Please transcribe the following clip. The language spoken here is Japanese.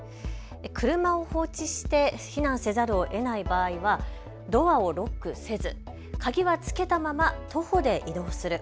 車を放置して避難せざるをえない場合はドアをロックせず鍵はつけたまま徒歩で移動する。